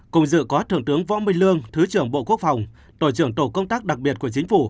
cùng dự có thượng tướng võ minh lương thứ trưởng bộ quốc phòng tổ trưởng tổ công tác đặc biệt của chính phủ